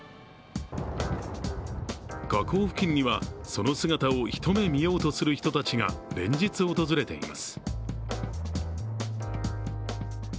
河口付近にはその姿を一目見ようとする人たちが連日訪れています。